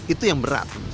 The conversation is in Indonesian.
itu yang berat